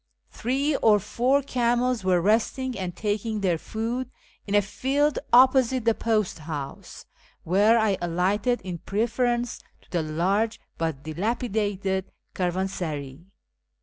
Three or four camels were resting and taking their food in a field opposite the post house, where I alighted in preference to the large but dilapidated caravansaray.